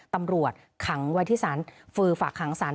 ตำรวจขังวัยที่ฝือฝากขังสาร